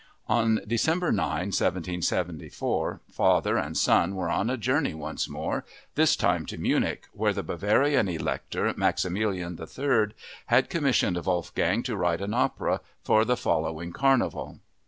On December 9, 1774, father and son were on a journey once more, this time to Munich where the Bavarian Elector, Maximilian III, had commissioned Wolfgang to write an opera for the following Carnival.